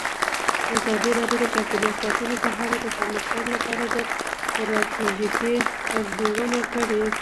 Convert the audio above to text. ازادي راډیو د چاپیریال ساتنه په اړه د پرمختګ لپاره د ستراتیژۍ ارزونه کړې.